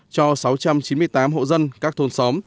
cho sáu trăm chín mươi tám hộ dân các thôn xóm